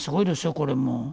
これも。